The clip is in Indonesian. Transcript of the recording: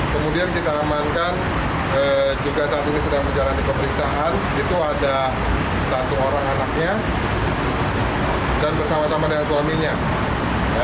kemudian kita amankan juga saat ini sedang menjalani pemeriksaan itu ada satu orang anaknya dan bersama sama dengan suaminya